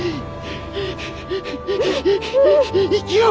生きよう！